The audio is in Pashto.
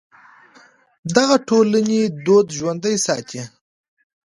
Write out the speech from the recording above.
دغه ټولنې دود ژوندی ساتي.